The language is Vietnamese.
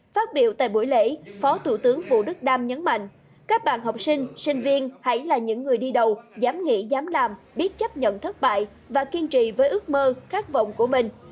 phát biểu tại buổi lễ phó thủ tướng vũ đức đam nhấn mạnh các bạn học sinh sinh viên hãy là những người đi đầu dám nghĩ dám làm biết chấp nhận thất bại và kiên trì với ước mơ khát vọng của mình